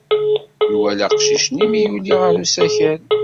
Nwala aqcic-nni mi yuli ɣer usakal.